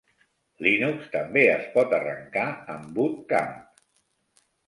Linux també es pot arrancar amb Boot Camp.